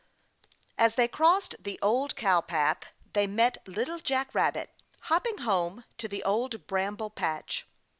As they crossed the Old Cow Path they met Little Jack Rabbit hopping home to the Old Bramble Patch.